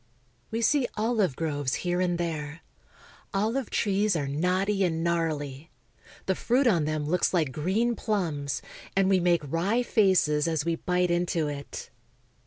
We see olive groves here and there. OHve trees are knotty and gnarly. The fruit on them looks like green plums, and we make wry faces as we bite into it.